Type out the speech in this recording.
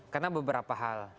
karena beberapa hal